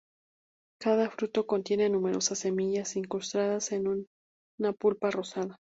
Cada fruto contiene numerosas semillas incrustadas en una pulpa rosada.